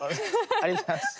ありがとうございます。